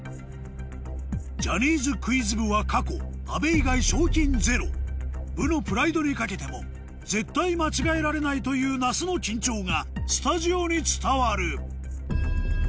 ジャニーズクイズ部は過去阿部以外賞金ゼロ部のプライドに懸けても絶対間違えられないという那須の緊張がスタジオに伝わる